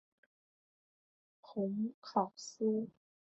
蓬考斯。